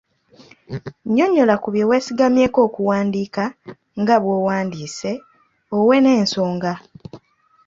Nnyonnyola ku bye weesigamyeko okuwandiika nga bw'owandiise, owe n'ensonga.